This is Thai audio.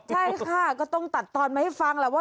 ใช่ค่ะก็ต้องตัดตอนมาให้ฟังแหละว่า